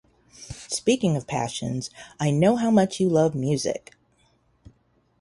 Speaking of passions, I know how much you love music.